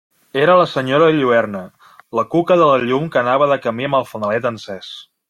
Era la senyora Lluerna, la cuca de la llum que anava de camí amb el fanalet encés.